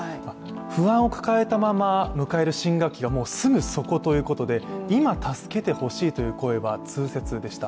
不安を抱えたまま迎える新学期がすぐそこということで今、助けてほしいという声は痛切でした。